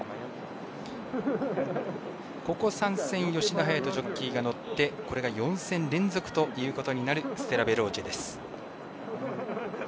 ここ３戦吉田隼人ジョッキーが乗ってこれが４戦連続ということになるステラヴェローチェです。